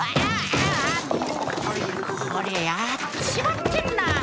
ああこりゃやっちまってんな。